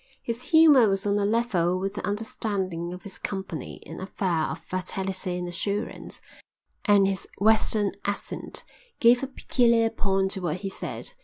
His humour was on a level with the understanding of his company, an affair of vitality and assurance, and his Western accent gave a peculiar point to what he said.